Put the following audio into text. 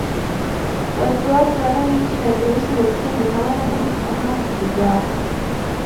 watu wote wanaoisha na virusi vya ukimwi hawana budi kufahamu haki zao